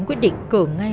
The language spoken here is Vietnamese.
quyết định cửa ngay